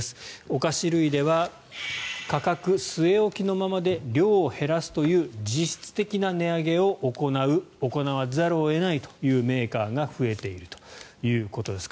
お菓子類では価格据え置きのままで量を減らすという実質的な値上げを行う行わざるを得ないというメーカーが増えているということです。